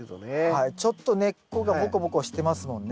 はいちょっと根っこがボコボコしてますもんね。